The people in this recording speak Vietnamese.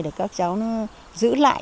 để các cháu nó giữ lại